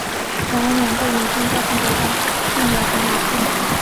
然而两部影片在情节上并没有什么联系。